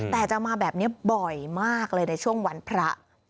แต่จะมาแบบนี้บ่อยมากเลยในช่วงวันพระ